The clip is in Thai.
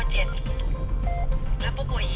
ผู้ชีพเราบอกให้สุจรรย์ว่า๒